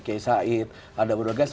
kiai said ada berbagai bagai